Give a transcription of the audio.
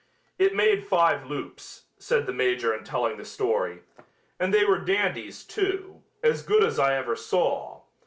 "It made five loops," said the major in telling the story, "and they were dandies, too, as good as I ever saw.